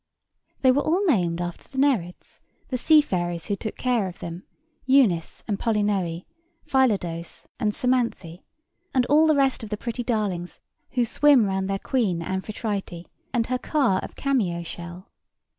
They were all named after the Nereids, the sea fairies who took care of them, Eunice and Polynoe, Phyllodoce and Psamathe, and all the rest of the pretty darlings who swim round their Queen Amphitrite, and her car of cameo shell.